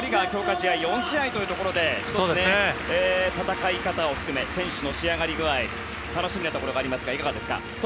試合は４試合というところで１つ、戦い方を含め選手の仕上がり具合楽しみなところがありますがいかがですか。